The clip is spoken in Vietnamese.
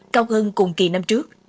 cao hơn cùng kỳ năm trước